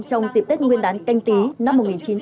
trong dịp tết nguyên đán canh tý năm một nghìn chín trăm sáu mươi